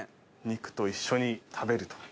肉と一緒に食べると。